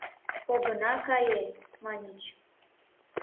— Огына кае! — маньыч.